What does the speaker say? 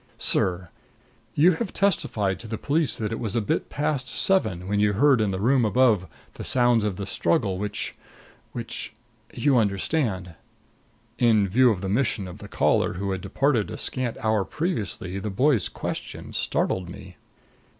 "Sir you have testified to the police that it was a bit past seven when you heard in the room above the sounds of the struggle which which You understand." In view of the mission of the caller who had departed a scant hour previously, the boy's question startled me.